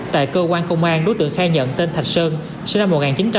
tại cơ quan công an đối tượng khai nhận tên thạch sơn sinh năm một nghìn chín trăm tám mươi